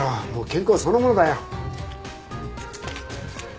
健康そのものだよ。